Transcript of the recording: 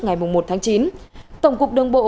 ngày một tháng chín tổng cục đường bộ